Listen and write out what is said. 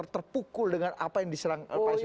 terpukul dengan apa yang diserang